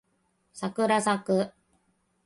さくらさく